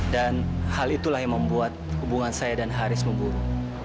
dan hal itulah yang membuat hubungan saya dan haris memburu